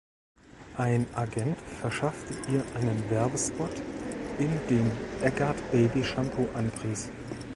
Ein Agent verschaffte ihr einen Werbespot, in dem Eggert Baby-Shampoo anpries.